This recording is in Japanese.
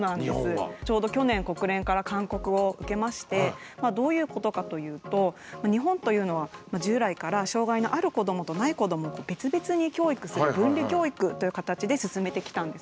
ちょうど去年国連から勧告を受けましてどういうことかというと日本というのは従来から障害のある子どもとない子どもを別々に教育する分離教育という形で進めてきたんですね。